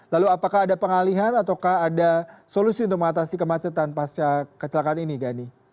lalu apakah ada pengalihan ataukah ada solusi untuk mengatasi kemacetan pasca kecelakaan ini gani